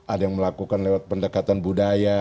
ada yang melakukan lewat pendekatan budaya